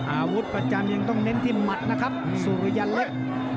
อาวุธประจำยังต้องเน้นที่หมัดนะครับสุริยันเล็ก